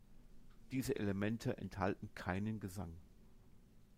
Diese Elemente enthalten keinen Gesang.